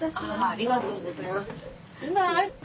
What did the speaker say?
ありがとうございます。